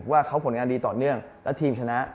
ว่าเขาผลงานดีต่อเนื่องและทีมชนะ